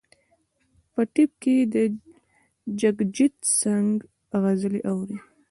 په ټیپ کې د جګجیت سنګ غزلې اوري.